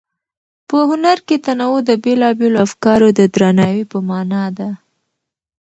په هنر کې تنوع د بېلابېلو افکارو د درناوي په مانا ده.